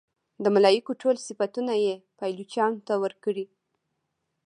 د ملایکو ټول صفتونه یې پایلوچانو ته ورکړي.